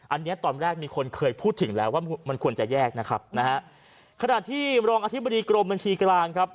อันนี้ตอนแรกมีคนเคยพูดถึงแล้วว่ามันควรจะแยกนะครับนะฮะขณะที่รองอธิบดีกรมบัญชีกลางครับ